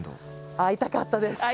会いたかったです。